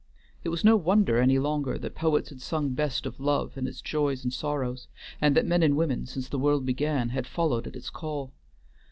It was no wonder any longer that poets had sung best of love and its joys and sorrows, and that men and women, since the world began, had followed at its call.